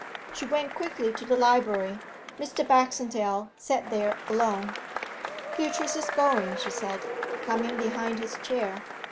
She went quickly to the library. Mr. Baxendale sat there alone. 'Beatrice is going,' she said, coming behind his chair.